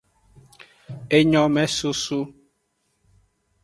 Enyomesoso.